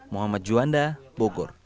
muhammad juanda bogor